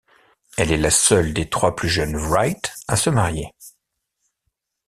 Elle est la seule des trois plus jeunes Wright à se marier.